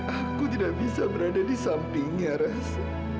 aku tidak bisa berada di sampingnya res